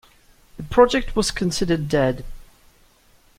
The project was considered dead.